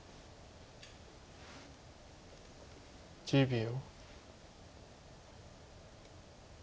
１０秒。